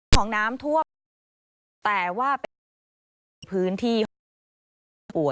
ของน้ำทั่วแต่ว่าพื้นที่ป่วย